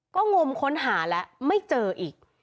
ก็งมค้นหาแล้วไม่เจออีก